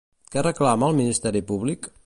Què reclama el ministeri públic?